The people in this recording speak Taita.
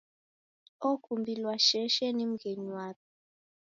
Okumbilwa sheshe ni mghenyu wape.